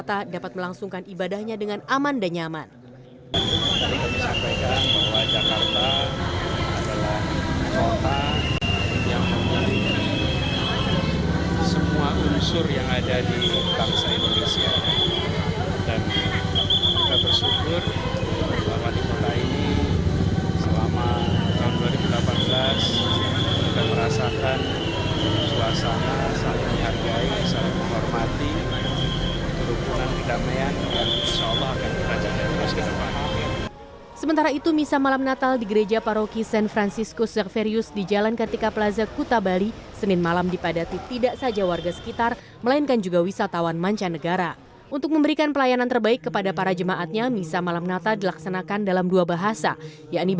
anies baswedan yang di jakarta dapat melangsungkan ibadahnya dengan aman dan nyaman